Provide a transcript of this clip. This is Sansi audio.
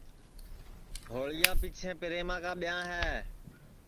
ہوݪی پیچھیں پریما کا ٻیاں ہے